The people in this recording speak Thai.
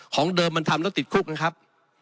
ของเดิมมันทำแล้วติดคุกนะครับ